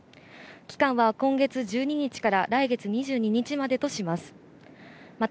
期間は今月１２日から来月２２日までとします。